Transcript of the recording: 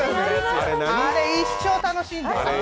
あれ、一生楽しいんです。